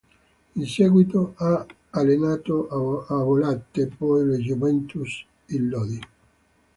In seguito, ha allenato a Bollate, poi la Juventus, il Lodi.